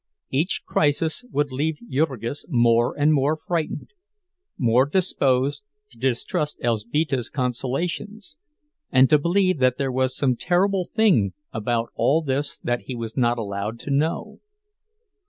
Each crisis would leave Jurgis more and more frightened, more disposed to distrust Elzbieta's consolations, and to believe that there was some terrible thing about all this that he was not allowed to know.